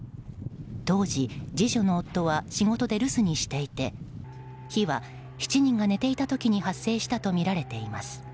当時、次女の夫は仕事で留守にしていて火は、７人が寝ていた時に発生したとみられています。